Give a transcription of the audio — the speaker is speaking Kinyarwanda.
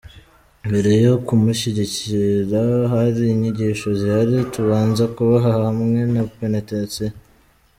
Mbere yo kumushyingira hari inyigisho zihari tubanza kubaha, hamwe na penetensiya.